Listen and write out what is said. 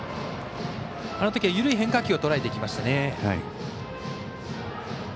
あのときは緩い変化球をとらえていきましたね。